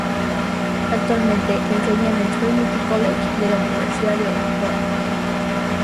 Actualmente enseña en el Trinity College de la Universidad de Oxford.